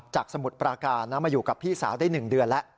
สมุทรปราการนะมาอยู่กับพี่สาวได้๑เดือนแล้ว